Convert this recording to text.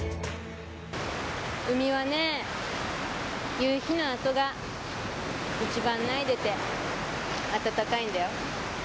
海はね、夕日のあとが一番ないでて暖かいんだよ。